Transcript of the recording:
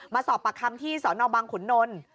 มาสอบปากคำที่สนบังขุนนล